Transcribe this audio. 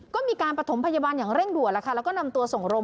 ก็มีการประถมพยาบาลอย่างเร่งด่วนแล้วค่ะแล้วก็นำตัวส่งรม